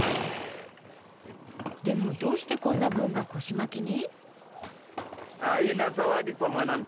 でもどうしてこんな文が腰巻きに？